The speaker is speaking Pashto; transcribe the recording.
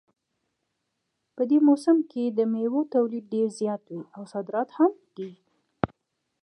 په دې موسم کې د میوو تولید ډېر زیات وي او صادرات هم کیږي